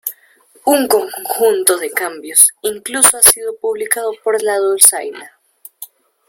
Un conjunto de cambios incluso ha sido publicado por la dulzaina!